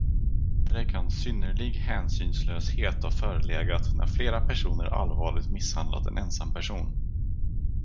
Vidare kan synnerlig hänsynslöshet ha förelegat när flera personer allvarligt misshandlat en ensam person.